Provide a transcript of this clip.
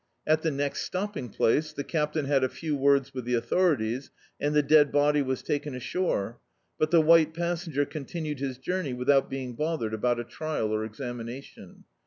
At the next stopping place the captain had a few words with the authorities, and the dead body was taken ashore, but the white passenger con tinued his journey without being bothered about a trial or examination.